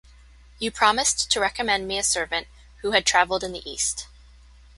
You promised to recommend me a servant who had travelled in the East.